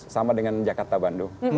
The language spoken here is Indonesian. sama dengan jakarta bandung